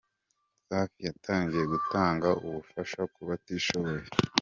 Safi yatangiye gutanga ubufasha ku batishoboye.